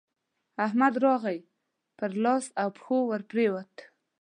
احمد راغی؛ پر لاس او پښو راپرېوت.